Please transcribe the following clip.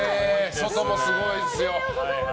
外もすごいですよ。